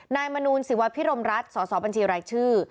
มนูลศิวพิรมรัฐสสบัญชีรายชื่อ